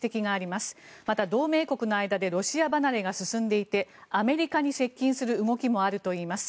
また、同盟国の間でロシア離れが進んでいてアメリカに接近する動きもあるといいます。